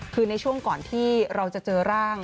คือในช่วงก่อนที่เราจะเจอร่าง